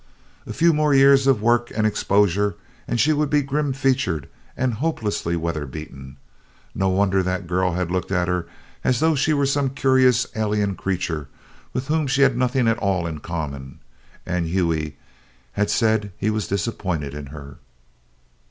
A few more years of work and exposure and she would be grim featured and hopelessly weather beaten. No wonder that girl had looked at her as though she were some curious alien creature with whom she had nothing at all in common! And Hughie had said he was disappointed in her.